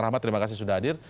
rahmat terima kasih sudah hadir